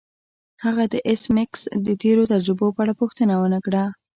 هغه د ایس میکس د تیرو تجربو په اړه پوښتنه ونه کړه